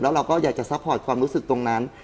เราก็อยากจะซัพพอร์ตความรู้สึกตรงนั้น